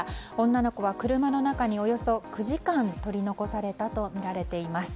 女の子は車の中におよそ９時間取り残されたとみられています。